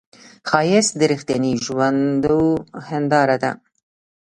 ښایست د رښتینې ژوندو هنداره ده